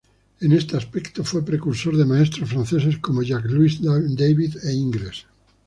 En este aspecto fue precursor de maestros franceses como Jacques-Louis David e Ingres.